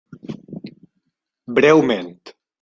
Breument.